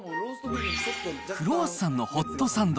クロワッサンのホットサンド。